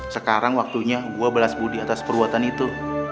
sekarang waktunya gua balas budi atas perbuatan itu